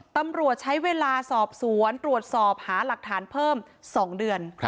ตำรวจใช้เวลาสอบสวนตรวจสอบหาหลักฐานเพิ่ม๒เดือน